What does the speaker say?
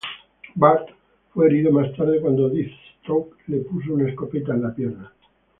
Bart fue herido más tarde cuando Deathstroke le puso una escopeta en la pierna.